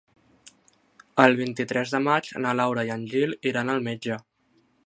El vint-i-tres de maig na Laura i en Gil iran al metge.